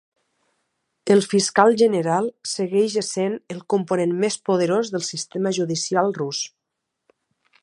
El fiscal general segueix essent el component més poderós del sistema judicial rus.